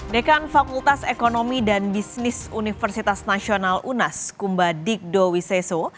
dekan fakultas ekonomi dan bisnis universitas nasional unas kumba digdo wiseso